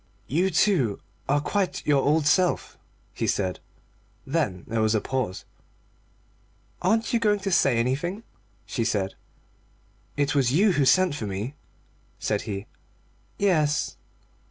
"You, too, are quite your old self," he said. Then there was a pause. "Aren't you going to say anything?" she said. "It was you who sent for me," said he. "Yes."